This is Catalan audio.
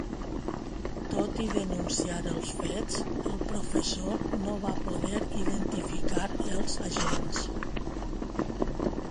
Tot i denunciar els fets, el professor no va poder identificar els agents.